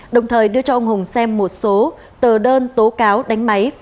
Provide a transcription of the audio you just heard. đồng thời đưa cho ông hùng xem một số tờ đơn tố cáo đánh máy